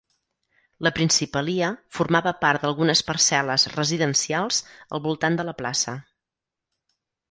La "principalia" formava part d'algunes parcel·les residencials al voltant de la plaça.